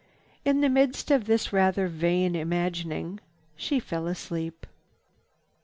In the midst of this rather vain imagining she fell asleep.